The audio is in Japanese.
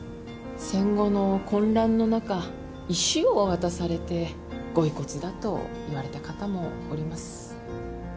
戦後の混乱の中石を渡されてご遺骨だと言われた方もおります。